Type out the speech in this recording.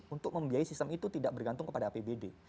untuk membiayai sistem itu tidak bergantung kepada apbd